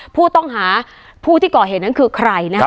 ผู้ต้องหาผู้ก่อเหตุคือใครนะฮะ